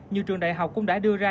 nhiều trường đại học cũng đã đưa ra